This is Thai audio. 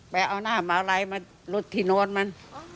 ไปเอาหน้ามะไรมารุดที่นอนมัน